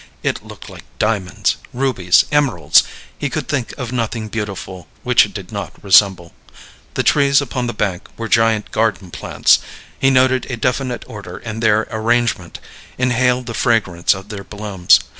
It looked like diamonds, rubies, emeralds; he could think of nothing beautiful which it did not resemble. The trees upon the bank were giant garden plants; he noted a definite order in their arrangement, inhaled the fragrance of their blooms.